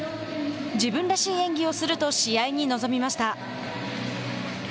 自分らしい演技をすると試合に臨みました。